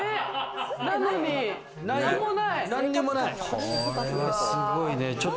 なのに何もない。